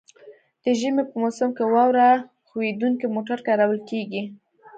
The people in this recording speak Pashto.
د ژمي په موسم کې واوره ښوییدونکي موټر کارول کیږي